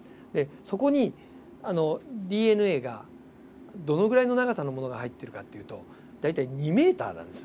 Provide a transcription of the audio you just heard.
そこにＤＮＡがどのぐらいの長さのものが入ってるかっていうと大体２ｍなんですよ。